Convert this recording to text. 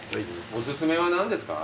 お薦めは何ですか？